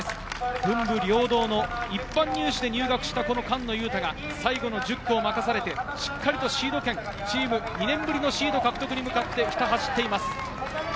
文武両道の一般入試で入学した菅野雄太が最後１０区を任されてしっかりシード権、チーム２年振りのシード獲得に向かって走っています。